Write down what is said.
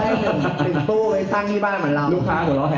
ลูกค้างหัวเราะแหะเลยอ่ะ